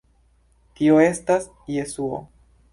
Tio estas Jesuo.